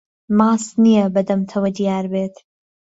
ماست نیه به دهمتهوه دیار بێت